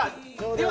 では